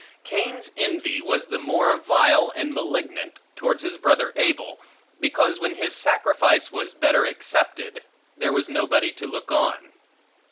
Cain's envy was the more vile and malignant, towards his brother Abel, because when his sacrifice was better accepted, there was no body to look on.